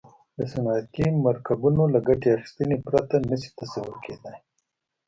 د صنعتي مرکبونو له ګټې اخیستنې پرته نه شي تصور کیدای.